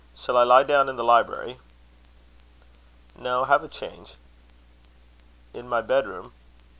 "Shall I lie down in the library?" "No have a change." "In my bed room?"